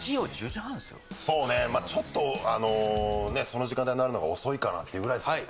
そうね、ちょっと、その時間帯になるのが遅いかなっていうぐらいですかね。